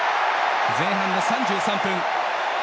前半の３３分。